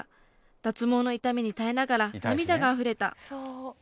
脱毛の痛みに耐えながら涙があふれた。